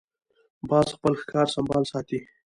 باز خپل ښکار سمبال ساتي